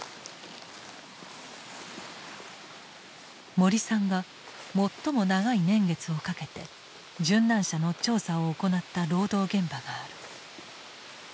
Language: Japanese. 森さんが最も長い年月をかけて殉難者の調査を行った労働現場がある。